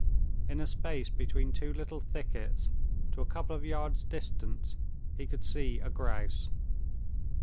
In a space between two little thickets, at a couple of yards' distance, he could see a grouse.